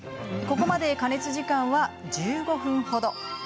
ここまで加熱時間は１５分ほど。